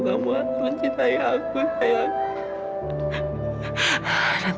kamu akan mencintai aku sayang